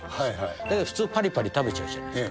だけど普通、ぱりぱり食べちゃうじゃないですか。